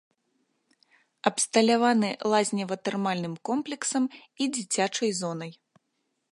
Абсталяваны лазнева-тэрмальным комплексам і дзіцячай зонай.